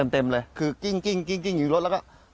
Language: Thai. เต็มเลยคือกิ้งอยู่รถแล้วก็